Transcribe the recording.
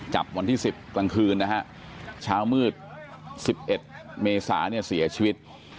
จับวันที่๑๐กลางคืนนะฮะเช้ามืด๑๑เมษาเนี่ยเสียชีวิต